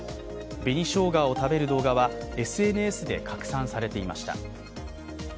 紅しょうがを食べる動画はＳＮＳで拡散されていました。